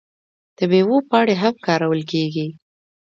د میوو پاڼې هم کارول کیږي.